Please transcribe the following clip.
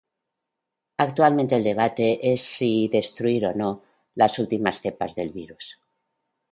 Actualmente el debate es si destruir o no las últimas cepas del virus.